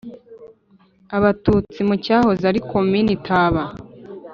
Abatutsi mu cyahoze ari Komini Taba